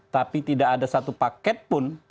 tapi tidak ada satu paket pun